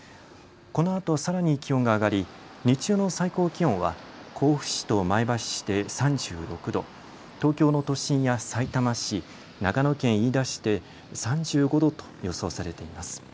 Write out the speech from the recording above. このあとさらに気温が上がり日中の最高気温は甲府市と前橋市で３６度、東京の都心やさいたま市長野県飯田市で３５度と予想されています。